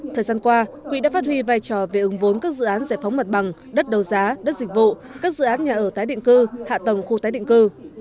thời gian qua quỹ đã phát huy vai trò về ứng vốn các dự án giải phóng mặt bằng đất đầu giá đất dịch vụ các dự án nhà ở tái định cư hạ tầng khu tái định cư